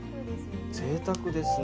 ぜいたくですよね。